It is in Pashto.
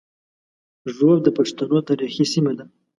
ږوب د پښتنو تاریخي سیمه ده